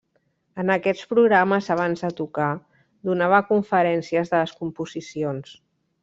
En aquests programes abans de tocar, donava conferències de les composicions.